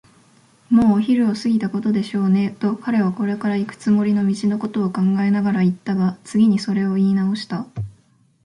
「もうお昼を過ぎたことでしょうね」と、彼はこれからいくつもりの道のことを考えながらいったが、次にそれをいいなおした。